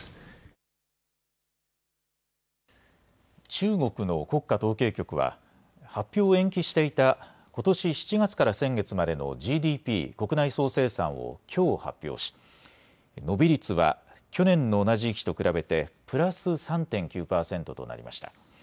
中国の国家統計局は発表を延期していたことし７月から先月までのＧＤＰ・国内総生産をきょう発表し、伸び率は去年の同じ時期と比べてプラス３．９％となりました。